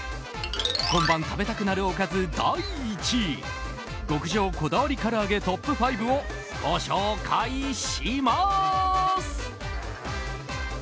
今晩食べたくなるおかず第１位極上こだわり唐揚げトップ５をご紹介します。